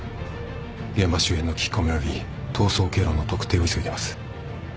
現場周辺の聞き込みおよび逃走経路の特定を急いでます。